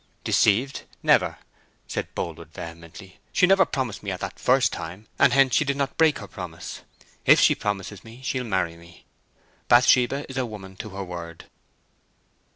"Deceived? Never!" said Boldwood, vehemently. "She never promised me at that first time, and hence she did not break her promise! If she promises me, she'll marry me. Bathsheba is a woman to her word."